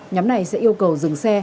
nhóm này sẽ yêu cầu dừng xe